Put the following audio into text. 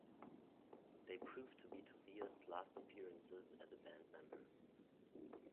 They proved to be Tobias' last appearances as a band member.